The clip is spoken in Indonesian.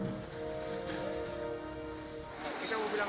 belum belum terkumpul semua